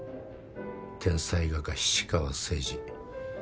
天才画家菱川誠二